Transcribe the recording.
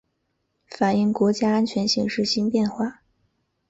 反映国家安全形势新变化